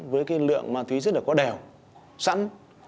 với cái lượng mà thúy rất là có đèo sẵn